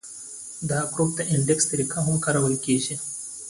د ګروپ انډیکس طریقه هم کارول کیږي